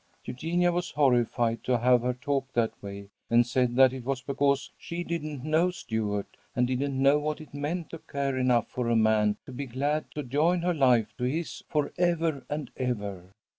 Eugenia was horrified to have her talk that way, and said that it was because she didn't know Stuart, and didn't know what it meant to care enough for a man to be glad to join her life to his, forever and ever.